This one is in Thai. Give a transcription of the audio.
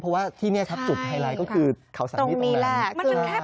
เพราะว่าที่นี่ครับจุดไฮไลท์ก็คือเขาสันนิษนี่แหละ